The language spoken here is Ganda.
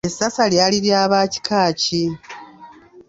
Essasa lyali lya ba kika ki?